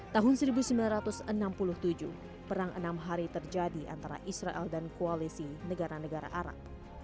tahun seribu sembilan ratus enam puluh tujuh perang enam hari terjadi antara israel dan koalisi negara negara arab